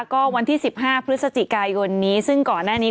ก็วันที่๑๕พฤศจิกายนนี้ซึ่งก่อนหน้านี้